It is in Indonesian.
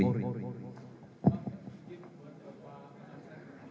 silakan pak deden